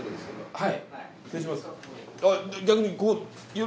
はい。